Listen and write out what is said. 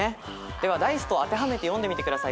ではダイスとあてはめて読んでみてください